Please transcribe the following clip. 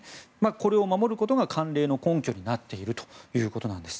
これを守ることが慣例の根拠になっているということです。